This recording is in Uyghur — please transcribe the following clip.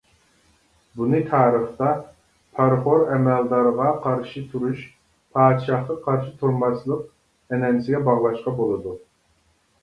بۇنى تارىختا « پارىخور ئەمەلدارغا قارشى تۇرۇش، پادىشاھقا قارشى تۇرماسلىق» ئەنئەنىسىگە باغلاشقا بولىدۇ.